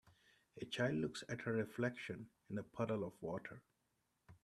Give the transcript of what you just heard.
A child looks at her reflection in a puddle of water.